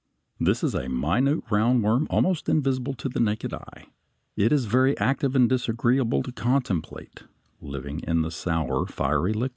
This is a minute round worm almost invisible to the naked eye. It is very active and disagreeable to contemplate, living in the sour, fiery liquid.